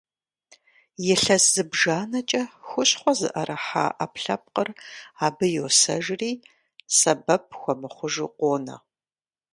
Илъэс зыбжанэкӀэ хущхъуэ зыӀэрыхьа Ӏэпкълъэпкъыр абы йосэжри, сэбэп хуэмыхъужу къонэ.